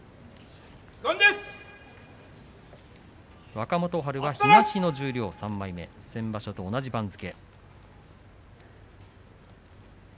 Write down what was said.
若元春、東の十両３枚目先場所と同じ番付。